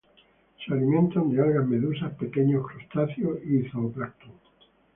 Se alimentan de algas, medusas, pequeños crustáceos y zooplancton.